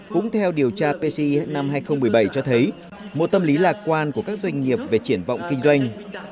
cũng theo điều tra pci năm hai nghìn một mươi bảy cho thấy một tâm lý lạc quan của các doanh nghiệp về triển vọng kinh doanh